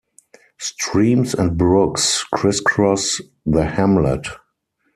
Streams and brooks criss cross the hamlet.